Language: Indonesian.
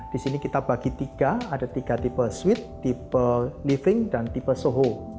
disini kita bagi tiga ada tiga tipe suite tipe living dan tipe soho